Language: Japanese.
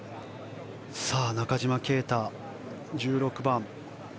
さあ、中島啓太１６番。